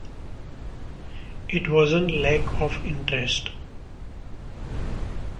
It wasn't lack of interest.